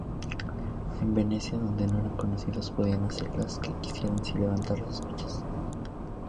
En Venecia, donde no eran conocidos, podían hacer lo que quisieran sin levantar sospechas.